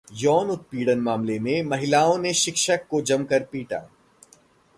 यौन उत्पीड़न मामले में महिलाओं ने शिक्षक को जमकर पीटा